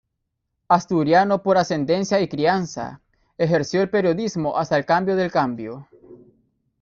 Asturiano por ascendencia y crianza, ejerció el periodismo hasta el cambio del cambio.